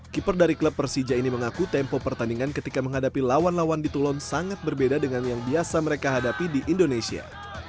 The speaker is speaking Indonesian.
keeper dari klub persija ini mengaku tempo pertandingan ketika menghadapi lawan lawan di tulon sangat berbeda dengan yang biasa mereka hadapi di indonesia